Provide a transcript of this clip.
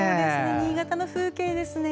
新潟の風景ですね。